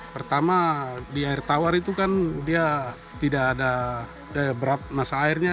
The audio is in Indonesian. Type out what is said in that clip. pertama di air tawar itu kan dia tidak ada berat masa airnya